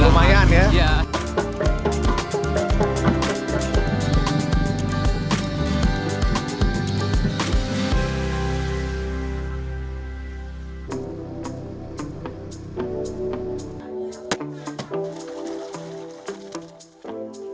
udah lumayan ya